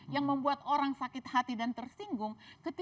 yang membuat orang sakit hati dan tersinggung